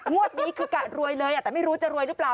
นี้คือกะรวยเลยแต่ไม่รู้จะรวยหรือเปล่า